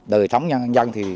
đời sống nhân dân